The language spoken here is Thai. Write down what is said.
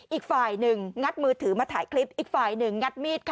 อีกฝ่ายหนึ่งงัดมือถือมาถ่ายคลิปอีกฝ่ายหนึ่งงัดมีดค่ะ